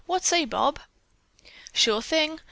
What say, Bob?" "Sure thing!"